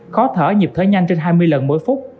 khó thở nhịp thở nhanh trên hai mươi lần mỗi phút